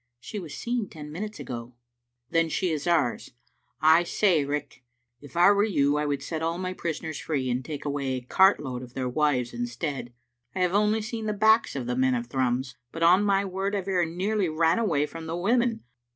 " She was seen ten minutes ago. " "Then she is ours. I say, Riach, if I were you I would set all my prisoners free and take away a cart load of their wives instead. I have only seen the backs of the men of Thrums, but, on my word, I very nearly ran away from the women.